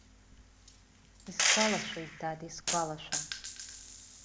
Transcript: Исгәалашәоит, дад, исгәалашәа.